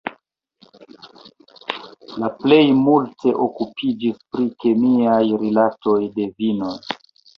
Li plej multe okupiĝis pri kemiaj rilatoj de vinoj.